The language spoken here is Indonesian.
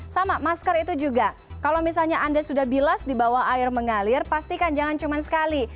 sama masker itu juga kalau misalnya anda sudah bilas di bawah air mengalir pastikan jangan cuma sekali